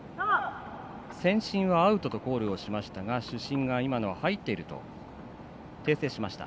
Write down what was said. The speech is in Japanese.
線審はアウトとコールしましたが主審が今のは入っていると訂正しました。